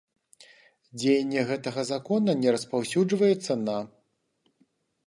Дзеянне гэтага Закона не распаўсюджваецца на.